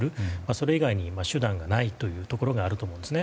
それ以外に手段がないというところがあると思います。